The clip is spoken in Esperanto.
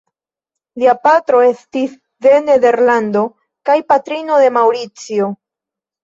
Lia patro estis de Nederlando kaj patrino de Maŭricio.